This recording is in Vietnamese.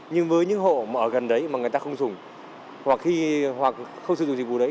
nhưng với những hộ ở gần đấy mà người ta không sử dụng dịch vụ đấy